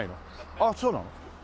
ああそうなの。